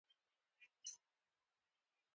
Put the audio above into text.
افغان لوبغاړي د ټسټ کرکټ په میدان کې هم ښه کار کوي.